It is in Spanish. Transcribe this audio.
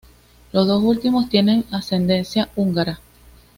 Los dos últimos tienen ascendencia húngara.